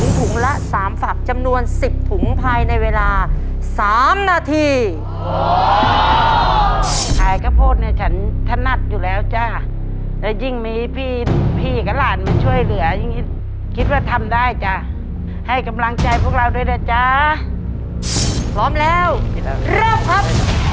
ถุงละ๓ฝักจำนวน๑๐ถุงภายในเวลา๓นาทีขายข้าวโพดเนี่ยฉันถนัดอยู่แล้วจ้ะและยิ่งมีพี่กับหลานมาช่วยเหลืออย่างนี้คิดว่าทำได้จ้ะให้กำลังใจพวกเราด้วยนะจ๊ะพร้อมแล้วเริ่มครับ